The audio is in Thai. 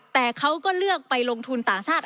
แต่เขาก็เลือกไปลงทุนต่างชาติ